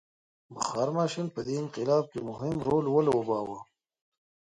بخار ماشین په دې انقلاب کې مهم رول ولوباوه.